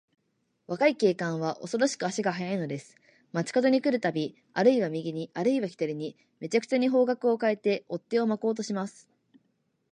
若い警官は、おそろしく足が早いのです。町かどに来るたび、あるいは右に、あるいは左に、めちゃくちゃに方角をかえて、追っ手をまこうとします。